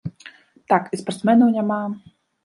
Так, і спартсменаў няма!